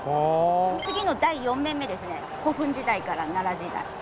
次の第４面目ですね古墳時代から奈良時代。